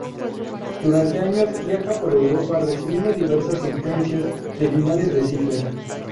Durante unos años viaja por Europa recibiendo diversas influencias de finales de siglo.